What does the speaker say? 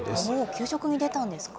給食に出たんですか。